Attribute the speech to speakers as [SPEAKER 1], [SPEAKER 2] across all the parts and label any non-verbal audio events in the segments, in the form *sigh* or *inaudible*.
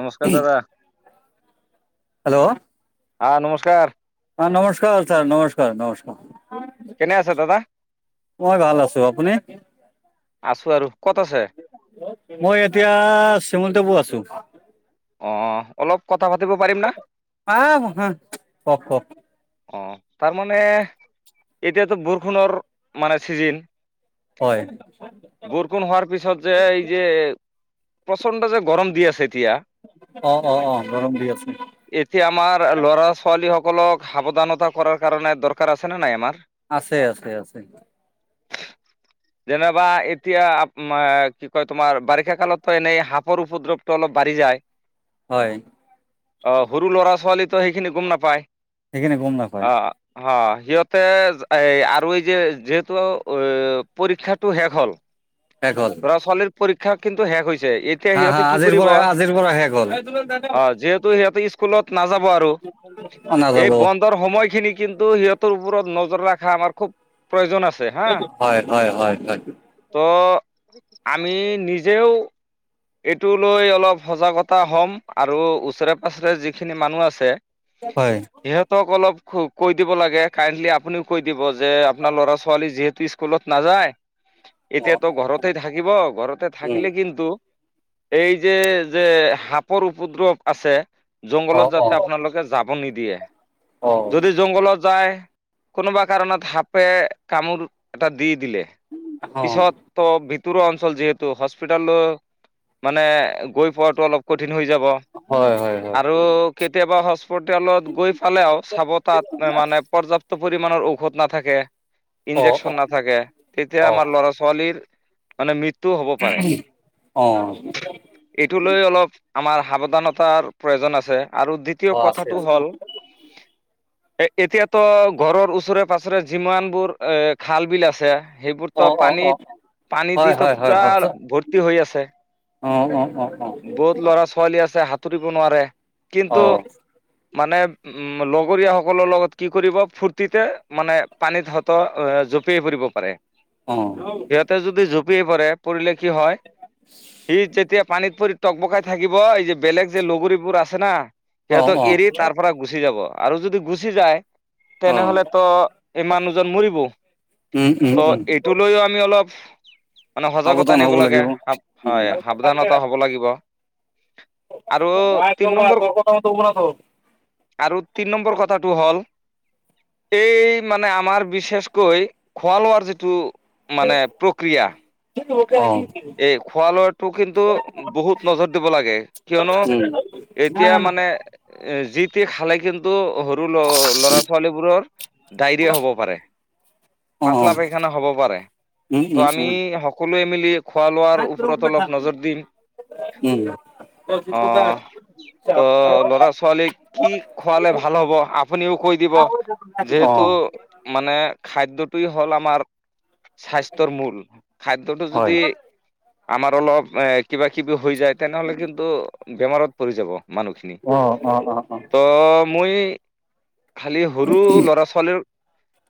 [SPEAKER 1] নমস্কাৰ দাদা
[SPEAKER 2] হেল্ল'
[SPEAKER 1] আহ নমস্কাৰ
[SPEAKER 2] অ নমস্কাৰ ছাৰ নমস্কাৰ
[SPEAKER 1] কেনে আছে
[SPEAKER 2] নমস্কাৰ
[SPEAKER 1] দাদা
[SPEAKER 2] মই ভাল আছো আপুনি
[SPEAKER 1] আছোঁ আৰু ক'ত আছে
[SPEAKER 2] মই এতিয়া শ্ৰীমন্ত বৌ আছো
[SPEAKER 1] অ অলপ কথা পাতিব পাৰিম না
[SPEAKER 2] আহ হা, কওক কওক
[SPEAKER 1] অ তাৰ মানে এতিয়াতো বৰষুণৰ মানে চিজিন
[SPEAKER 2] হয়
[SPEAKER 1] বৰষুণ হোৱাৰ পিছত যে এই যে প্ৰচণ্ড যে গৰম দি আছে
[SPEAKER 2] অ অ অ গৰম দি আছে
[SPEAKER 1] এতিয়া আমাৰ লৰা ছোৱালী সকল সকলক সাৱধানতা কৰাৰ কাৰণে দৰকাৰ আছেনে নাই আমাৰ
[SPEAKER 2] আছে আছে আছে
[SPEAKER 1] *inaudible* যেনেবা এতিয়া কি কয় তোমাৰ বাৰিষা কালতো এনেই সাপৰ উপদ্ৰৱটো অলপ বাঢ়ি যায়
[SPEAKER 2] হয়
[SPEAKER 1] আহ সৰু লৰা ছোৱালীো সেইখিনি গম নাপায়
[SPEAKER 2] সেইখিনে গম নাপায়
[SPEAKER 1] অ সিহঁতে এ আৰু এই যে যিহেতু আৰু অ পৰীক্ষাটো শেষ হ'ল
[SPEAKER 2] শেষ হ'ল
[SPEAKER 1] তৰাচলীৰ পৰীক্ষা কিন্তু হে হৈ হৈছে এতিয়া
[SPEAKER 2] হা হা
[SPEAKER 1] সিহঁতে কি
[SPEAKER 2] আজিৰ
[SPEAKER 1] কৰিব
[SPEAKER 2] পৰা আজিৰ পৰা শেষ হ'ল
[SPEAKER 1] অ যিহেতু সিহঁতে স্কুলত নাযাব আৰু
[SPEAKER 2] অ
[SPEAKER 1] এই বন্ধৰ সময়খিনি কিন্তু সিহঁতৰ ওপৰত নজৰ ৰখা আমাৰ খুব প্ৰয়োজন আছে হা।
[SPEAKER 2] হয় হয় হয় হয়
[SPEAKER 1] ত' আমি নিজেও এইটো লৈ অলপ সজাগতা হ'ম আৰু ওচৰে পাজৰে যিখিনি মানুহ আছে।
[SPEAKER 2] হয়।
[SPEAKER 1] সিহঁতক অলপ কৈ দিব লাগে কাইণ্ডলি আপুনিও কৈ দিব যে আপোনাৰ ল'ৰা ছোৱালী যিহেতু স্কুলত নাযায়
[SPEAKER 2] অ
[SPEAKER 1] এতিয়াাতো ঘৰতে থাকিব ঘৰতে
[SPEAKER 2] উম
[SPEAKER 1] থাকিলে কিন্তু এই যে যে সাপৰ উপদ্ৰৱ আছে
[SPEAKER 2] অ
[SPEAKER 1] জংঘলত
[SPEAKER 2] অ
[SPEAKER 1] যাতে আপোনালোকে যাব নিদিয়ে
[SPEAKER 2] অ
[SPEAKER 1] যদি জংঘলত যায় কোনোবা কাৰণত সাপে কামোৰ এটা দি দিলে
[SPEAKER 2] অ
[SPEAKER 1] পিছত ত অঞ্চল যিহেতু হস্পিতাল মানে গৈ পোৱাটো অলপ কঠিন যাব
[SPEAKER 2] হয় হয় হয়
[SPEAKER 1] আৰু কেতিয়াবা হস্পিতেলত গৈ পালেও চাব তাত মানে পৰ্যাপ্ত পৰিমণৰ ঔষধ নাথাকে।
[SPEAKER 2] অ
[SPEAKER 1] ইঞ্জেকচন ন
[SPEAKER 2] অ
[SPEAKER 1] থাকে তেতিয়া
[SPEAKER 2] অ
[SPEAKER 1] আমাৰ ল'ৰা ছোৱালীৰ মানে মৃত্যু টো হ'ব পাৰে
[SPEAKER 2] অ
[SPEAKER 1] এইটো লৈ অলপ আমাৰ সাৱধানতাৰ প্ৰয়োজন আছে আৰু
[SPEAKER 2] অ
[SPEAKER 1] দ্বিতীয়
[SPEAKER 2] আছে
[SPEAKER 1] কথাটো
[SPEAKER 2] আছে
[SPEAKER 1] হ'ল এ এতিয়াতো ঘৰৰ ওচৰে পাঁাজৰে যিমানবোৰ এ খাল বিল আছে
[SPEAKER 2] অ
[SPEAKER 1] সেইবোৰতো
[SPEAKER 2] অ অ অ
[SPEAKER 1] পানীত পানী
[SPEAKER 2] হয়
[SPEAKER 1] দি তো
[SPEAKER 2] হয়
[SPEAKER 1] পুৰা ভৰ্তি হৈ আছে।
[SPEAKER 2] অ', অ'।
[SPEAKER 1] বহুত ল'ৰা ছোৱালী আছে সাঁতুৰিব নোৱাৰে
[SPEAKER 2] অঁ অঁ
[SPEAKER 1] কিন্তু মানে লগৰীয়াসকলৰ লগত কি কৰিব ফূৰ্তিতে মানে পানীতহঁত জঁপিয়াই পৰিব পাৰে।
[SPEAKER 2] অ
[SPEAKER 1] প পৰিলে কি হয় সি যেতিয়া পানীত টক বকাই থাকিব এই যে বেলেগ যে লগৰীবোৰ আছে না
[SPEAKER 2] অঁ
[SPEAKER 1] সিহঁতক
[SPEAKER 2] অঁ
[SPEAKER 1] এৰি তাৰ পৰা গুচি যাব। আৰু যদি গুচি যায়
[SPEAKER 2] অঁ
[SPEAKER 1] তেনেহ'লে তো এই মানুহজন মৰিব।
[SPEAKER 2] উম উম
[SPEAKER 1] ত'
[SPEAKER 2] উম
[SPEAKER 1] এইটো লৈও আমি অলপ মানে সজাগতা
[SPEAKER 2] সাৱধান
[SPEAKER 1] নিব
[SPEAKER 2] হ'ব
[SPEAKER 1] লাগে
[SPEAKER 2] লাগিব অঁ উম
[SPEAKER 1] হয়
[SPEAKER 2] উম
[SPEAKER 1] সাৱধানতা হ'ব লাগিব আৰু তিন নম্বৰ
[SPEAKER 2] উম উম অঁ হয়
[SPEAKER 1] আৰু তিন নম্বৰ কথা হ'ল এই মানে আমাৰ বিশেষকৈ খোৱা লোৱাৰ যিটো মানে প্ৰক্ৰিয়া এই খোৱা লোৱাটো কিন্তু বহুত নজৰ দিব লাগে। কিয়নো এতিয়া মানে যিটিখালে কিন্তু সৰু ল ল'ৰা ছোৱালীবোৰৰ ডায়ৰি হ'ব পাৰে পাতলা পাইখানা হ'ব পাৰে ত' আমি সকলোৱে মিলি খোৱা লোৱাৰ ওপৰত অলপ নজৰ দিম আহ ত ল'ৰা ছোৱালী কি খোৱালে ভাল হ'ব আপুনিও কৈ দিব যিহেতু মানে খাদ্য হ'ল আমাৰ স্বাস্থ্যৰ মূল খাদ্যটো যদি আমাৰ অলপ এ কিবা কিবি হৈ যায় তেনেহ'লে কিন্তু বেমাৰত পৰি যাব। মানুহখিনি
[SPEAKER 2] অঁ অঁ অঁ অঁ
[SPEAKER 1] ত' মই খালি সৰু ল'ৰা ছোৱালীৰ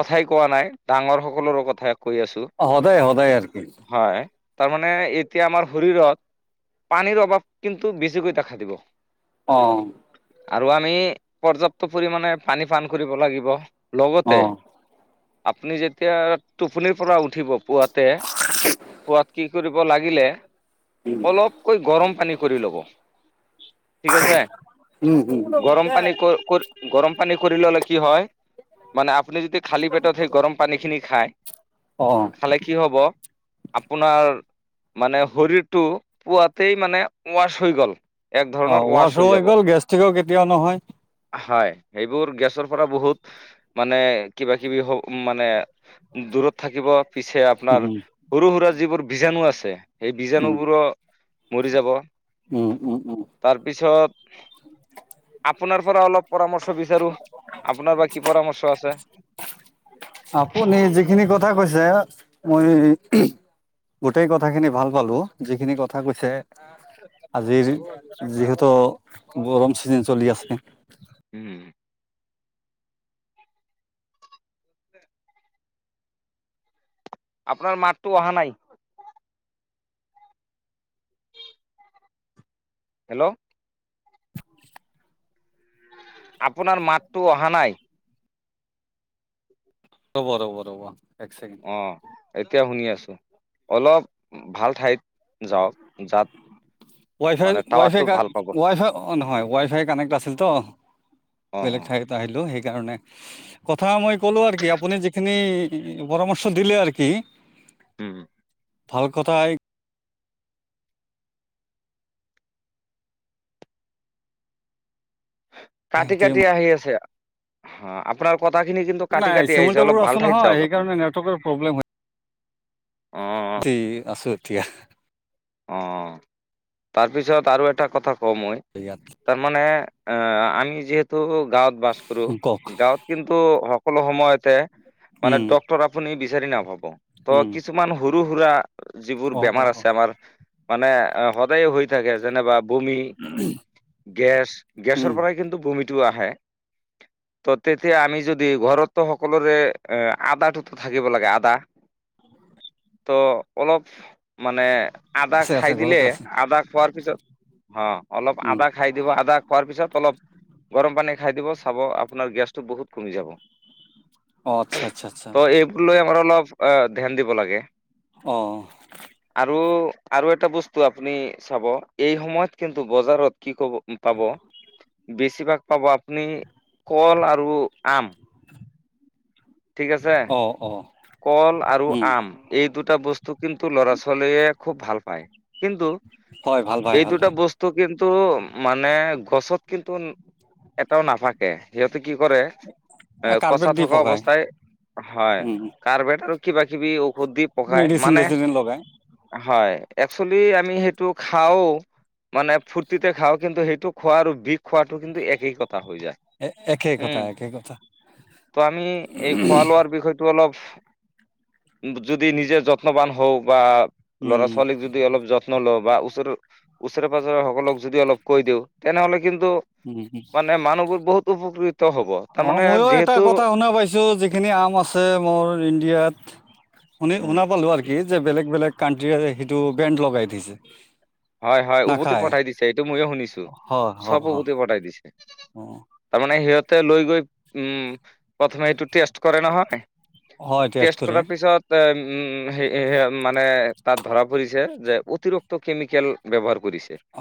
[SPEAKER 1] কথাই কোৱা নাই ডাঙৰ সকলৰে কথাাই কৈ আছো।
[SPEAKER 2] সদায় সদায় আৰু কি
[SPEAKER 1] হয়। তাৰমানে এতিয়া আমাৰ শৰীৰত পানীৰ অভাৱ কিন্তু বেছিকৈ দেখা দিব
[SPEAKER 2] অ
[SPEAKER 1] আৰু আমি পৰ্যাপ্ত পৰিমাণে পানী পান কৰিব লাগিব। লগতে আপুনি যেতিয়া টোপনিৰ পৰা উঠিব পুৱাতে পোৱাত কি কৰিব লাগিলে অলপকৈ গৰম পানী কৰি ল'ব ঠিক আছে গৰম
[SPEAKER 2] অঁ
[SPEAKER 1] পানী কৰি গৰম পানী কৰি ললে কি হয় মানে আপুনি যদি খালী পেটত সেই গৰম পানী খিনি খায়
[SPEAKER 2] অ
[SPEAKER 1] খালে কি হব। আপোনাৰ মানে শৰীৰটো পোৱাতেই মানে ৱাচ হৈ গ'ল। এক
[SPEAKER 2] অ
[SPEAKER 1] ধৰণৰ ৱাছ
[SPEAKER 2] ৱাছো
[SPEAKER 1] হৈ যাব
[SPEAKER 2] গ'ল গেষ্ট্ৰিকো কেতিয়াও নহয়
[SPEAKER 1] হয়। সেইবোৰ গেছৰ পৰা বহুত মানে কিবা-কিবি মানে দূৰত থাকিব। পিছে আপোনাৰ
[SPEAKER 2] উম
[SPEAKER 1] সৰু সুৰা যিবোৰ বীজাণু আছে। সেই
[SPEAKER 2] উম
[SPEAKER 1] বীজাণুবোৰো মৰি যাব।
[SPEAKER 2] উম উম উম
[SPEAKER 1] তাৰপিছত আপোনাৰ পৰা অলপ পৰামৰ্শ বিচাৰো আপোনাৰ বা কি পৰামৰ্শ আছে।
[SPEAKER 2] আপুনি যিখিনি কথা কৈছে মই গোটেই কথা খিনি ভাল পালো যিখিনি কথা কৈছে। আজিৰ যিহেতু গৰম চিজন চলি আছে।
[SPEAKER 1] উম, আপোনাৰ মাতটো অহা নাই। হেল্ল', আপোনাৰ মাতটো অহা নাই।
[SPEAKER 2] ৰব, ৰব, ৰব। এক ছেকেণ্ড
[SPEAKER 1] অ' এতিয়া শুনি আছো অলপ ভাল ঠাইত। যাওক যাত
[SPEAKER 2] ৱাই ফাই
[SPEAKER 1] মানে টাৱাৰটো
[SPEAKER 2] ৱাইফাই
[SPEAKER 1] ভাল পাব
[SPEAKER 2] ৱাইফাই অন হয়। ৱাইফাই কানেক্ট আছিল তো
[SPEAKER 1] অ
[SPEAKER 2] বেলেগ ঠাইত আহিলোঁ সেই। কাৰণে কথা মই ক'লো আৰু কি আপুনি যিখিনি পৰামৰ্শ দিলে আৰু কি,
[SPEAKER 1] উম,
[SPEAKER 2] ভাল কথাই।
[SPEAKER 1] কাটি-কাটি আহি আছে অ' আপোনাৰ কথাখিনি কিন্তু
[SPEAKER 2] নাই
[SPEAKER 1] কাটি-কাটি আহিছে
[SPEAKER 2] চিমলটেবুৰ
[SPEAKER 1] অলপ ভাল
[SPEAKER 2] আছো
[SPEAKER 1] ঠাইত
[SPEAKER 2] নহয়
[SPEAKER 1] যাওক আপুনি।
[SPEAKER 2] সেইকাৰণে নেটৱৰ্কৰ
[SPEAKER 1] অ
[SPEAKER 2] যি আছোৱতিয়া।
[SPEAKER 1] অ' তাৰপিছত আৰু এটা কথা কমই
[SPEAKER 2] ইয়াত
[SPEAKER 1] তাৰমানে আহ আমি যিহেতু গাঁৱত বাস কৰো।
[SPEAKER 2] কওক
[SPEAKER 1] গাঁৱত কিন্তু মানে ডক্তৰ আপুনি বিচাৰি নাভাব ত কিছুমান সৰু সুৰা। যিবোৰ
[SPEAKER 2] অঁ অঁ
[SPEAKER 1] বেমাৰ
[SPEAKER 2] অঁ
[SPEAKER 1] আছে আমাৰ মানে সদায় হৈ থাকে যেনেবা। বমি গেছ-গেছৰ পৰাই কিন্তু বমিটো আহে। ত' তেতিয়া আমি যদি ঘৰতো সকলোৰে এ আদাটোতো থাকিব লাগে আদা। ত' অলপ মানে আদা
[SPEAKER 2] আছে
[SPEAKER 1] খাই
[SPEAKER 2] আছে
[SPEAKER 1] দিলে
[SPEAKER 2] ঘৰতে আছে
[SPEAKER 1] আদা খোৱাৰ পিছত হ। অলপ আদা খাই দিব আদা খোৱাৰ পিছত অলপ গৰম পানী। খাই দিব চাব আপোনাৰ গেছটো বহুত কমি যাব।
[SPEAKER 2] অ' আচ্ছা-আচ্ছা-আচ্ছা,
[SPEAKER 1] ত' এইবোৰ লৈ অলপ ধ্যান দিব লাগে
[SPEAKER 2] অঁ
[SPEAKER 1] আৰু আৰু এটা বস্তু আপুনি চাব এই সময়ত কিন্তু বজাৰত কি কব পাব। বেছিভাগ পাব আপুনি কল আৰু আম। ঠিক আছে
[SPEAKER 2] অঁ অঁ
[SPEAKER 1] কল আৰু আম এই দুটা বস্তু কিন্তু ল'ৰা ছোৱালীয়ে খুব ভাল পায় কিন্তু
[SPEAKER 2] হয় ভাল পায়
[SPEAKER 1] এই
[SPEAKER 2] ভাল
[SPEAKER 1] দুটা
[SPEAKER 2] পায়
[SPEAKER 1] বস্তু কিন্তু মানে গছত কিন্তু এটাও নাথাকে সিহঁত। কি কৰে কচা
[SPEAKER 2] কাৰ্পেট দি
[SPEAKER 1] থকা
[SPEAKER 2] পকায়
[SPEAKER 1] অৱস্থা। ত' হয়
[SPEAKER 2] উম
[SPEAKER 1] কাৰ্বেট আৰু কিবা কিবি ঔষধ দি পকায়
[SPEAKER 2] মেডিচিন
[SPEAKER 1] মানে।
[SPEAKER 2] চেডিচিন লগাই
[SPEAKER 1] হয়, একচুৱেলি আমি সেইটো খাও। মানে ফূৰ্তিতে খাওঁ। কিন্তু সেইটো খোৱাৰ *unintelligible* খোৱাটো কিন্তু একেই কথা হৈ যায়
[SPEAKER 2] একেই কথা
[SPEAKER 1] উম,
[SPEAKER 2] একেই কথা
[SPEAKER 1] ত আমি এই খোৱা লোৱাৰ বিষয়টো অলপ যদি নিজে যত্নবান হওঁ বা। ল'ৰা ছোৱালীক যদি অলপ যত্ন ল'ওঁ। বা ওচৰৰ-ওচৰে পাজৰে সকলক যদি অলপ কৈ দিওঁ তেনেহ'লে। কিন্তু মানে মানুহবোৰ বহুত উপকৃত। হব
[SPEAKER 2] অ'
[SPEAKER 1] তাৰমানে
[SPEAKER 2] ময়ো এটা
[SPEAKER 1] যিহেতু
[SPEAKER 2] কথা শুনা পাইছো। ছ যিখিনি আম আছে মোৰ ইণ্ডিয়াত শুনি
[SPEAKER 1] উম
[SPEAKER 2] শুনা পালো আৰু কি যে বেলেগ বেলেগ কণ্ট্ৰিৰে সেইটো বেণ্ড লগাই থৈছে
[SPEAKER 1] হয় হয় উভতি পঠাই দিছে এইটো ময়ে শুনিছো
[SPEAKER 2] হয়
[SPEAKER 1] চব
[SPEAKER 2] হয় হয়
[SPEAKER 1] উভতি পঠাই দিছে
[SPEAKER 2] অঁ
[SPEAKER 1] তাৰমানে সিহঁতে লৈ গৈ উম প্ৰথমে সেইটো টেষ্ট কৰে নহয়
[SPEAKER 2] হয়
[SPEAKER 1] টেষ্ট
[SPEAKER 2] কৰে
[SPEAKER 1] কৰাৰ পিছত উম স মানে তাত ধৰা পৰিছে যে অতিৰিক্ত কেমিকেল ব্যৱহাৰ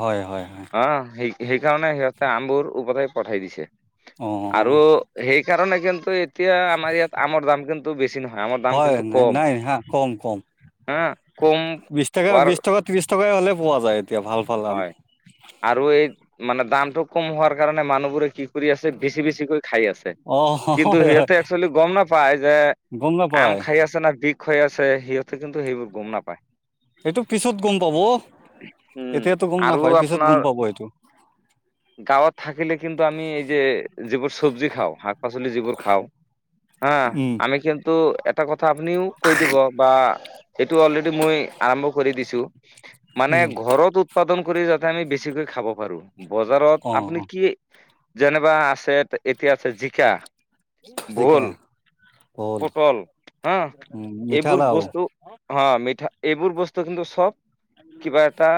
[SPEAKER 2] হয় হয় হয়
[SPEAKER 1] অ সেই সেইকাৰণে সিহঁতে আমবোৰ ওভোটাই পঠাই দিছে
[SPEAKER 2] অঁ
[SPEAKER 1] আৰু সেই কাৰণে কিন্তু এতিয়া আমাৰ ইয়াত আমৰ দাম কিন্তু বেছি নহয় আমৰ দাম
[SPEAKER 2] হয়
[SPEAKER 1] কিন্তু
[SPEAKER 2] নাই
[SPEAKER 1] কম
[SPEAKER 2] নাই হা কম কম
[SPEAKER 1] হা কম
[SPEAKER 2] বিশ টকা
[SPEAKER 1] হোৱাৰ
[SPEAKER 2] বিশ টকা ত্ৰিশ টকাই হ'লে পোৱা যায় এতিয়া ভাল ভাল আম
[SPEAKER 1] হয় আৰু এই মানে দামটো কম হোৱাৰ কাৰণে মানুহবোৰে কি কৰি আছে বেছি বেছিকৈ খাই আছে
[SPEAKER 2] অঁ
[SPEAKER 1] কিন্তু
[SPEAKER 2] হয় হয়
[SPEAKER 1] সিহঁতে একচুৱেলি গম নাপায় যে
[SPEAKER 2] গম
[SPEAKER 1] আম
[SPEAKER 2] নাপায়
[SPEAKER 1] খাই আছে না বিষ ষ হৈ আছে সিহঁতে কিন্তু সেইবোৰ গম নাপায়
[SPEAKER 2] এইটো পিছত গম পাব
[SPEAKER 1] উম।
[SPEAKER 2] এতিয়াতো গম
[SPEAKER 1] আৰু
[SPEAKER 2] নাপায় পিছত
[SPEAKER 1] আপোনাৰ
[SPEAKER 2] গম পাব এইটো
[SPEAKER 1] গাঁৱত থাকিলে কিন্তু আমি এই যে জীৱ চব্জি খাওঁ শাক পাচলি যিবোৰ খাওঁ হা
[SPEAKER 2] উম
[SPEAKER 1] আমি কিন্তু এটা কথা আপুনিও কৈ দিব বা সেইটো অলৰেডি মই আৰম্ভ কৰি দিছো মানে
[SPEAKER 2] উম
[SPEAKER 1] ঘৰত উৎপাদন কৰি যাতে আমি বেছিকৈ খাব পাৰো বজাৰত
[SPEAKER 2] অঁ
[SPEAKER 1] আপুনি
[SPEAKER 2] অঁ
[SPEAKER 1] কি যেনেবা আছে এতিয়া আছে জিকা ভোল
[SPEAKER 2] শিকে
[SPEAKER 1] পটল হা এইবোৰ
[SPEAKER 2] মিঠালাও
[SPEAKER 1] বস্তু হা মিঠা এইবোৰ বস্তু কিন্তু চব কিবা এটা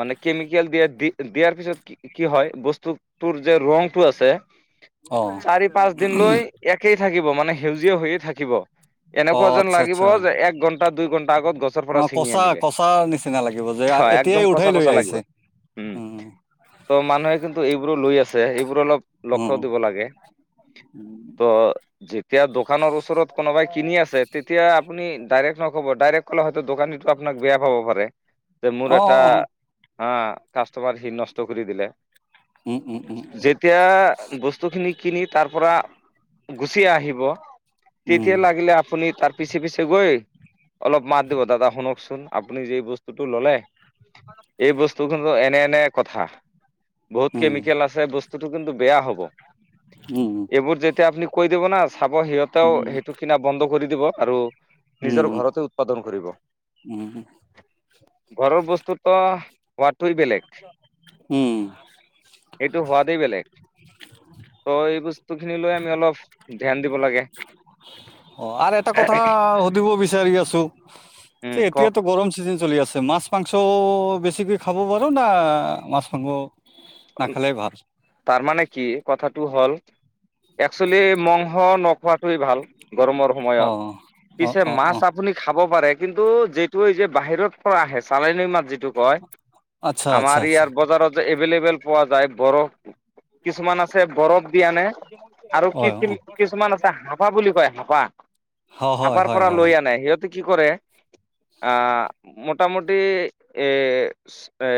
[SPEAKER 1] মানে কেমিকেল দিয়াৰ দি দিয়াৰ পিছত কি কি হয় বস্তুটোৰ যে ৰংটো আছে
[SPEAKER 2] অঁ
[SPEAKER 1] চাৰি পাঁচ দিন লৈ একেই থাকিব মানে সেউজীয়া হৈয়ে থাকিব এনেকুৱা
[SPEAKER 2] অঁ
[SPEAKER 1] যেন লাগিব যে এক ঘণ্টা দুই ঘণ্টা আগত গছৰ পৰা
[SPEAKER 2] অ
[SPEAKER 1] ছিঙি
[SPEAKER 2] কষা
[SPEAKER 1] আনিলে
[SPEAKER 2] কষা নিচি নালাগিব যে
[SPEAKER 1] হয় একদম
[SPEAKER 2] এতিয়াই উঠাই
[SPEAKER 1] কচা
[SPEAKER 2] লৈ
[SPEAKER 1] কচা লাগিব
[SPEAKER 2] আহিছে
[SPEAKER 1] উম
[SPEAKER 2] উ
[SPEAKER 1] ত' মানুহে কিন্তু এইবোৰো লৈ আছে এইবোৰ অলপ লক্ষ্্য দিব লাগে ত যেতিয়া দোকানৰ ওচৰত কোনোবাই কিনি আছে তেতিয়া আপুনি ডাইৰেক্ট নক'ব ডাইৰেক্ কলে হয়তো দোকানীতো আপোনাক বেয়া পাব পাৰে যে মোৰ
[SPEAKER 2] অঁ
[SPEAKER 1] এটা
[SPEAKER 2] অঁ
[SPEAKER 1] হা কাষ্টমাৰ সি নষ্ট কৰি দিলে
[SPEAKER 2] উম উম উম
[SPEAKER 1] যেতিয়া বস্তু খিনি কিনি তাৰ পৰা গুচি আহিব
[SPEAKER 2] উম
[SPEAKER 1] তেতিয়া লাগিলে আপুনি তাৰ পিছে পিছে গৈ অলপ মাত দিব দাদা শুনকচোন আপুনি য বস্তুটো ললে এই বস্তু খন এনে এনে কথা বহুত
[SPEAKER 2] হুম
[SPEAKER 1] কেমিকেল আছে বস্তুটো কিন্তু বেয়া হব
[SPEAKER 2] হুম
[SPEAKER 1] এইবোৰ যেতিয়া আপুনি কৈ দিব না চাব সিহঁতেও
[SPEAKER 2] হুম
[SPEAKER 1] সেইটো কিনা বন্ধ কৰি দিব আৰু নিজৰ
[SPEAKER 2] হুম
[SPEAKER 1] ঘৰতে উৎপাদন কৰিব
[SPEAKER 2] হুম
[SPEAKER 1] ঘৰৰ বস্তুটো বেলেগ
[SPEAKER 2] হুম
[SPEAKER 1] এইটো হোৱাতেই বেলেগ ত এই বস্তু খিনি লৈ আমি অলপ ধ্যান দিব লাগে
[SPEAKER 2] অ আৰু এটা কথা সুধিব বিচাৰি আছো
[SPEAKER 1] উম
[SPEAKER 2] যে
[SPEAKER 1] কওক
[SPEAKER 2] এতিয়াতো গৰম চিজন চলি আছে আছে মাছ মাংস বেছিকৈ খাব পাৰ না মাছ মাংস নাখালে ভাল
[SPEAKER 1] তাৰ মানে কি কথাটো হ'ল একচুৱেলি মংস নখোৱাটোৱে ভাল গৰমৰ
[SPEAKER 2] অ
[SPEAKER 1] সময়ত
[SPEAKER 2] অ
[SPEAKER 1] পিছে
[SPEAKER 2] অ অ
[SPEAKER 1] মাছ আপুনি খাব পাৰে কিন্তু যিটো এই যে বাহিৰত পৰা আহে চালনী মাত যি কয়
[SPEAKER 2] আচ্ছা আচ্ছা
[SPEAKER 1] আমাৰ
[SPEAKER 2] আচ্ছা
[SPEAKER 1] ইয়াৰ বজাৰত এভেইলেবল পোৱা যায় বৰফ কিছুমান আছে বৰফ দিআনে আৰু কি
[SPEAKER 2] হয় অ
[SPEAKER 1] কিছুমান আছে হাঁফা বুলি কয় হাঁফা।
[SPEAKER 2] হয়
[SPEAKER 1] হাপাৰ
[SPEAKER 2] হয়
[SPEAKER 1] পৰা
[SPEAKER 2] হয়
[SPEAKER 1] লৈ
[SPEAKER 2] হয়
[SPEAKER 1] আনে সিহঁতে কি কৰে আহ মোটামুটি এ এ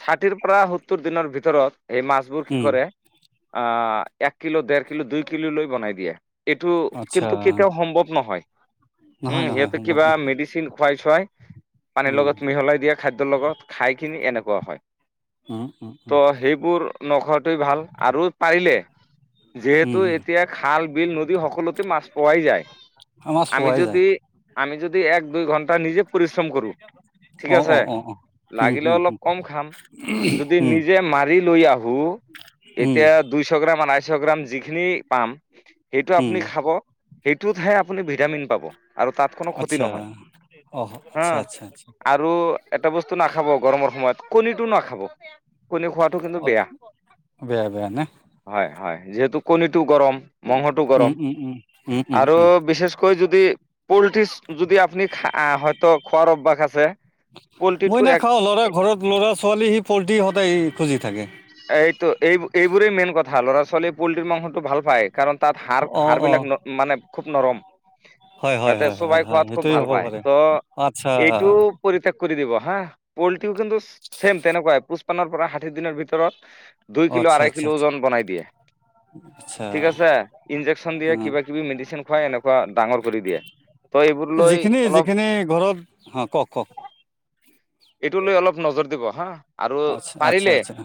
[SPEAKER 1] ষাঠিৰ পৰা সত্তৰ দিনৰ ভিতৰত এই মাছবোৰ কি
[SPEAKER 2] উম
[SPEAKER 1] কৰে আহ এক কিলো দেৰ কিলো দুই কিলো লৈ বনাই দিয়ে এইটো
[SPEAKER 2] আচ্ছা
[SPEAKER 1] কিন্তু কেতিয়াও সম্ভৱ নহয় উম
[SPEAKER 2] নহয় নহয়
[SPEAKER 1] সিহঁতে
[SPEAKER 2] সম্ভৱ
[SPEAKER 1] কিবা
[SPEAKER 2] নহয়
[SPEAKER 1] মেডিচিন খুৱাই চুৱাই পানীৰ লগত মিহলাই দিয়া খাদ্যৰ লগত খাই খিনি এনেকুৱা হয়। ত' সেইবোৰ নখোৱাটোৱে ভাল আৰু পাৰিলে যিহেতু এতিয়া খাল বিল নদী সকলোতে মাছ পোৱাই যায়
[SPEAKER 2] মাছ
[SPEAKER 1] আমি
[SPEAKER 2] পোৱাই যায়
[SPEAKER 1] যদি আমি যদি এক দুই ঘণ্টা নিজে পৰিশ্ৰম কৰো। ঠিক
[SPEAKER 2] অ অ
[SPEAKER 1] আছে
[SPEAKER 2] অ অ উম
[SPEAKER 1] লাগিলে
[SPEAKER 2] হুম
[SPEAKER 1] অলপ
[SPEAKER 2] হুম
[SPEAKER 1] কম খাম যদি
[SPEAKER 2] উম
[SPEAKER 1] নিজে মাৰি লৈ আহো
[SPEAKER 2] উম
[SPEAKER 1] এতিয়া দুইশ গ্ৰাম আ একশ গ্ৰাম জিনখিনি পাম সেইটো
[SPEAKER 2] উম
[SPEAKER 1] আপুনি খাব সেইটোত হে অপুনি আপুনি ভিটামিন পাব আৰু তাত কোনো ক্ষতি
[SPEAKER 2] আচ্ছা
[SPEAKER 1] নহয়।
[SPEAKER 2] অহ
[SPEAKER 1] হা
[SPEAKER 2] আচ্ছা আচ্ছা আচ্ছা
[SPEAKER 1] আৰু এটা বস্তু নাখাব গৰমৰ সময়ত কণীটো নাখাব কণী খোৱাাতটো কিন্তু
[SPEAKER 2] অ
[SPEAKER 1] বেয়া
[SPEAKER 2] বেয়া বেয়া নে
[SPEAKER 1] হয়-হয়। যিহেতু কণী গৰম মংসটো গৰম
[SPEAKER 2] উম উম উম উম উম
[SPEAKER 1] আৰু
[SPEAKER 2] উম
[SPEAKER 1] বিশেষ তুমি যদি পলট্ৰি যদি আপুনি হয়তো খোৱাৰ অভ্যাস আছে পল্ট্ৰিটো
[SPEAKER 2] মই
[SPEAKER 1] এক
[SPEAKER 2] নাখাওঁ লৰা ঘৰত লৰা ছোৱালী সি পঢ়
[SPEAKER 1] এইটো এই এইবোৰই মেইন কথা ল'ৰা ছোৱালীয়ে পলট্ৰীৰ মাংসটো ভাল পায় কাৰণ তাত হাড়
[SPEAKER 2] অ অ
[SPEAKER 1] হাড়বিলাক মানে খুব নৰম
[SPEAKER 2] হয় হয়
[SPEAKER 1] সিহঁতে
[SPEAKER 2] হয় হয়
[SPEAKER 1] চোবাই
[SPEAKER 2] হয়
[SPEAKER 1] খোৱাত খুব
[SPEAKER 2] সেইটোৱে
[SPEAKER 1] ভাল
[SPEAKER 2] হ'ব
[SPEAKER 1] পায়
[SPEAKER 2] পাৰে আচ্ছা
[SPEAKER 1] ত' এইটো পৰিত কৰি দিব হা পল্ট্ৰিও কিন্তু ছেম তেনেকুৱাই পষ্পন্নৰ পৰা ষাঠি দিনৰ ভিতৰত দুই
[SPEAKER 2] অ
[SPEAKER 1] কিলো
[SPEAKER 2] আচ্ছা
[SPEAKER 1] আঢাই
[SPEAKER 2] আচ্ছা
[SPEAKER 1] কিলো
[SPEAKER 2] আচ্ছা
[SPEAKER 1] ওজন বনাই দিয়ে।
[SPEAKER 2] আচ্ছা
[SPEAKER 1] ঠিক আছে ইন্জেকচন
[SPEAKER 2] অ
[SPEAKER 1] দিয়ে কিবা কিবি মেডিচিন খুৱাই এনেকুৱা ডাঙৰ কৰি দিয়ে ত' এইবোৰ লৈ
[SPEAKER 2] যিখিনি
[SPEAKER 1] অলপ
[SPEAKER 2] যিখিনি ঘৰত হ কওক কওক
[SPEAKER 1] এইটো লৈ অলপ নজৰ দিব হা আৰু
[SPEAKER 2] আচ্ছা আচ্ছা
[SPEAKER 1] পাৰিলে
[SPEAKER 2] আচ্ছা